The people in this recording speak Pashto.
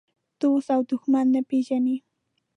دوست او دښمن نه پېژني.